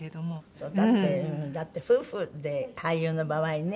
だってだって夫婦で俳優の場合ね